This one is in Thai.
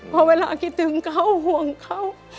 เพราะเวลาคิดถึงเขาหวงเขา